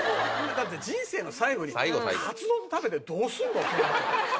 だって人生の最後にカツ丼食べてどうすんの？